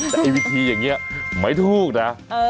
แต่ไอ้วิธีอย่างนี้ไม่ถูกนะ